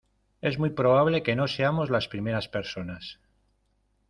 es muy probable que no seamos las primeras personas